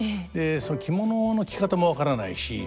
その着物の着方も分からないし。